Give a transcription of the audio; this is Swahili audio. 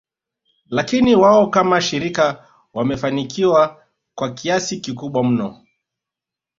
Lakini wao kama shirika wamefanikiwa kwa kiasi kikubwa mno